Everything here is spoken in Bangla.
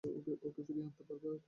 ওকে ফিরিয়ে আনতে পারো।